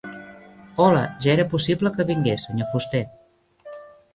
Hola, ja era possible que vingués, senyor fuster.